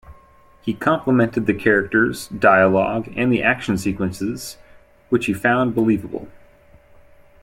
He complimented the characters, dialogue, and the action sequences which he found believable.